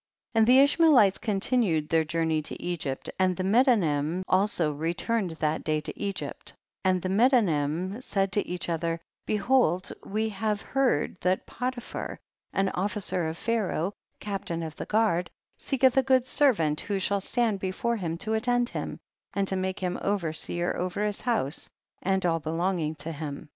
3. And the Ishmaelites continued their journey to Egypt, and the Medanim also returned that day to Egypt, and the Medanim said to each other, behold we have heard that Potiphar, an officer of Pharaoh, captain of the guard, seeketh a good servant who shall stand before him to attend him, and to make him over seer over his house and all belonging to him.